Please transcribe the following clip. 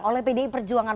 oleh pdi perjuangan